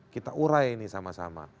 kita urai ini sama sama